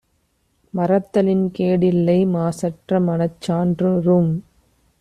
மறத்தலின் கேடில்லை; மாசற்றமனச் சான்றூறும்